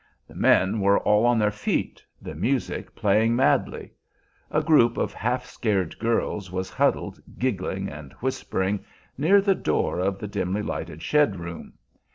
The men were all on their feet, the music playing madly. A group of half scared girls was huddled, giggling and whispering, near the door of the dimly lighted shed room.